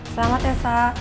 selamat ya sa